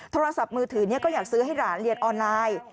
โทรศัพท์มือถือก็อยากซื้อให้หลานเรียนออนไลน์